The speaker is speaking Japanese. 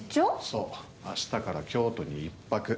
そう、明日から京都に１泊。